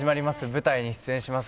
舞台に出演します。